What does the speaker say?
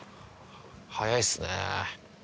早いっすね。